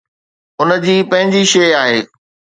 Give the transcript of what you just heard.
ان جي پنهنجي شيء آهي.